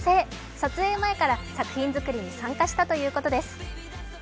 撮影前から作品作りに参加したということです。